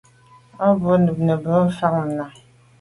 O ba kwa’ mènmebwô fan nà.